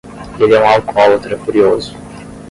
Ele é um alcoólatra furioso.